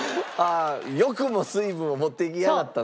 よくも水分を持っていきやがったなと。